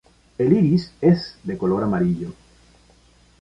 El iris es de color amarillo.